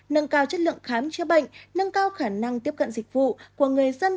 nâng cao chất lượng khám chữa bệnh nâng cao khả năng tiếp cận dịch vụ của người dân